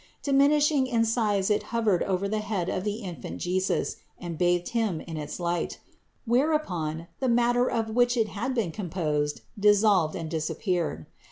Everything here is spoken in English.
Diminishing in size it hovered over the head of the infant Jesus and bathed Him in its light; whereupon the matter of which it had been com posed dissolved and disappeared.